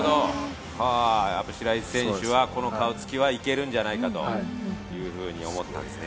白井選手はこの顔つきはいけるんじゃないかと思ったんですね。